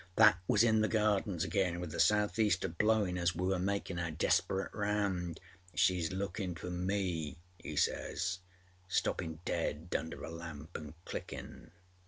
â That was in the Gardens again, with the South Easter blowinâ as we were makinâ our desperate round. âSheâs lookinâ for me,â he says, stoppinâ dead under a lamp anâ clickinâ.